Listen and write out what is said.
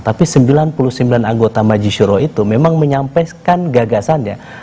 tapi sembilan puluh sembilan anggota majisyuroh itu memang menyampaikan gagasannya